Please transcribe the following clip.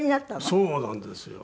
そうなんですよ。